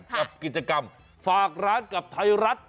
กับกิจกรรมฝากร้านกับไทยรัฐ